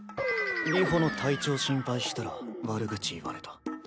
流星の体調心配したら悪口言われた。